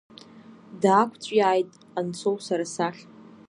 Даақәҵәиааит Ҟансоу сара сахь.